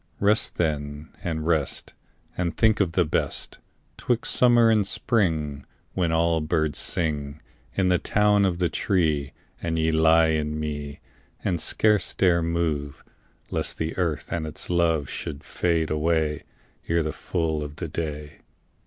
Rest then and rest, And think of the best 'Twixt summer and spring, When all birds sing In the town of the tree, And ye lie in me And scarce dare move, Lest the earth and its love Should fade away Ere the full of the day.